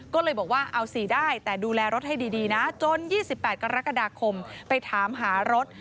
ก็เลยบอกว่าเอา๔ได้แต่ดูแลรถให้ดีนะจน๒๘กรกฎาคมไปถามหารถ